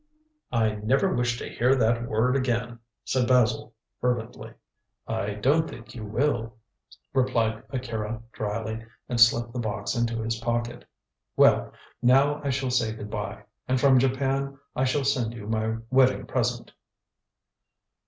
"I never wish to hear that word again," said Basil fervently. "I don't think you will," replied Akira dryly, and slipped the box into his pocket. "Well, now I shall say good bye, and from Japan I shall send you my wedding present."